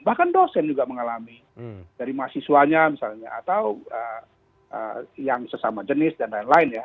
bahkan dosen juga mengalami dari mahasiswanya misalnya atau yang sesama jenis dan lain lain ya